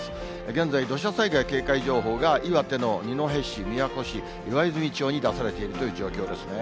現在、土砂災害警戒情報が岩手の二戸市、宮古市、岩泉町に出されているという状況ですね。